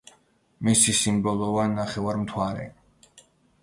მისი სიმბოლოა ნახევარმთვარე.